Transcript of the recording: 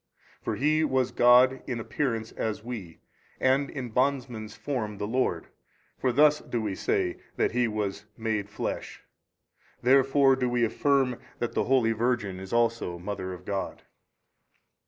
For He was God in |243 appearance as we, and in bondman's form the Lord, for thus do we say that He was MADE FLESH. Therefore do we affirm that the holy Virgin is also mother of God.